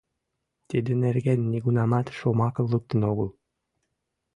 Тидын нерген нигунамат шомакым луктын огыл.